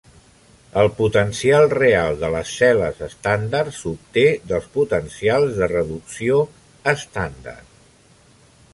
El potencial real de les cel·les estàndard s'obté dels potencials de reducció estàndard.